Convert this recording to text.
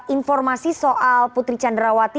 informasi soal putri chandrawati